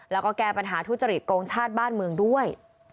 แล้วก็แก้ปัญหาทุจริตโกงชาติบ้านเมืองด้วย